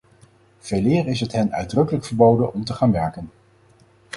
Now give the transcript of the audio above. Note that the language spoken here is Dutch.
Veeleer is het hen uitdrukkelijk verboden om te gaan werken.